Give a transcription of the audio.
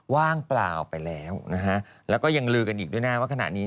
ว่างเปล่าไปแล้วนะฮะแล้วก็ยังลือกันอีกด้วยนะว่าขณะนี้